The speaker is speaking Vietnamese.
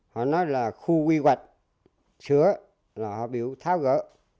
họ nói là khu quy hoạch sửa là họ bị tháo gỡ